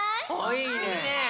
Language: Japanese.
いいね！